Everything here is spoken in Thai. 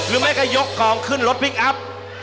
หรือไม่ก็ยกกองขึ้นรถพลิกอัพ